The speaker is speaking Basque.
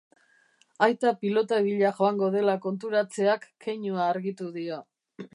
Aita pilota bila joango dela konturatzeak keinua argitu dio.